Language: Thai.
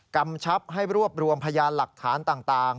กำชับให้รวบรวมพยานหลักฐานต่าง